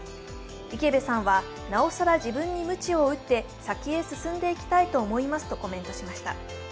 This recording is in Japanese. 池辺さんは、なおさら自分にむちを打って、先へ進んでいきたいと思いますとコメントしました。